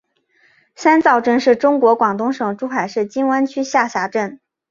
三灶镇是中国广东省珠海市金湾区下辖镇。